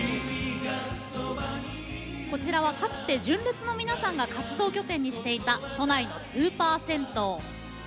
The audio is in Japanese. こちらはかつて純烈の皆さんが活動拠点にしていた都内のスーパー銭湯。